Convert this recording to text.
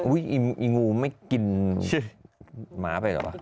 อุ๊ยไอ้งูไม่กินหมาไปหรือเปล่า